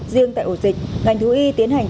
riêng tại ổ dịch ngành thú y tiến hành